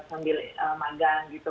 oh itu sih tergantung sebenarnya